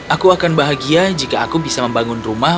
aku akan bahagia jika aku bisa membangun rumah